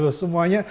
ya harus semuanya